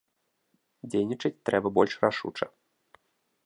Дзейнічаць трэба больш рашуча.